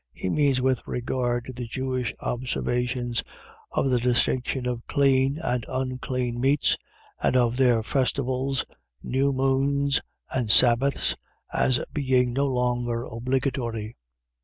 .He means with regard to the Jewish observations of the distinction of clean and unclean meats; and of their festivals, new moons, and sabbaths, as being no longer obligatory.